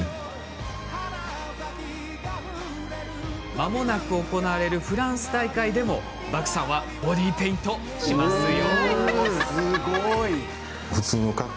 まもなく行われるフランス大会でも、バクさんはボディーペイントしますよ。